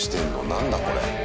何だこれ。